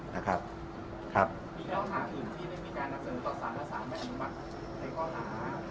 นะครับครับมียาวถามอื่นที่ไม่มีการนับสนุกต่อสารอาสารแม่นุมัติในก้อนหาหายจับไหนครับ